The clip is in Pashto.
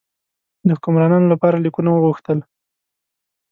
د حکمرانانو لپاره لیکونه وغوښتل.